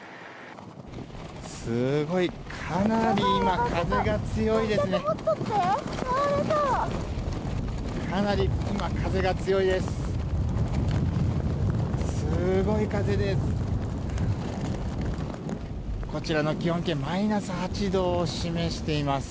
すごいかなり今風が強いですね。